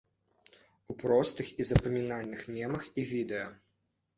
У простых і запамінальных мемах і відэа.